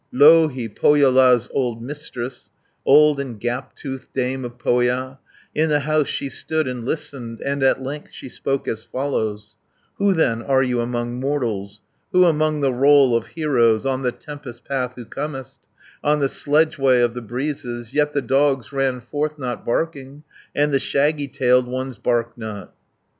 Louhi, Pohjola's old Mistress, Old and gap toothed dame of Pohja, In the house she stood and listened, And at length she spoke as follows: "Who then are you among mortals, Who among the roll of heroes, 190 On the tempest path who comest, On the sledgeway of the breezes, Yet the dogs ran forth not, barking, And the shaggy tailed ones barked not."